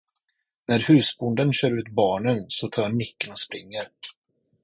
När husbonden kör ut barnen, så tar jag nyckeln och springer.